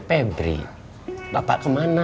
pebri bapak kemana